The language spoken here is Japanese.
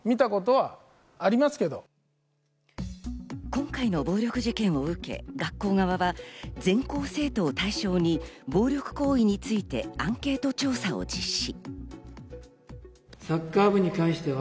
今回の暴力事件を受け、学校側は全校生徒を対象に暴力行為についてアンケート調査を実施。